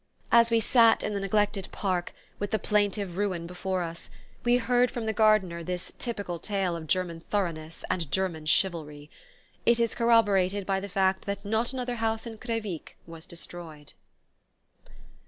As we sat in the neglected park with the plaintive ruin before us we heard from the gardener this typical tale of German thoroughness and German chivalry. It is corroborated by the fact that not another house in Crevic was destroyed.